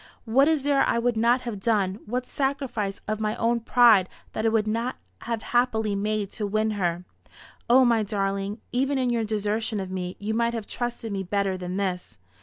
What is there I would not have done what sacrifice of my own pride that I would not have happily made to win her! O my darling, even in your desertion of me you might have trusted me better than this!